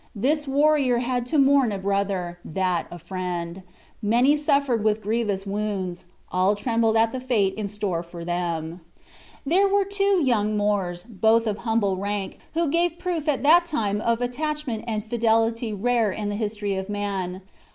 This warrior had to mourn a brother, that a friend; many suffered with grievous wounds, all trembled at the fate in store for them. There were two young Moors, both of humble rank, who gave proof at that time of attachment and fidelity rare in the history of man.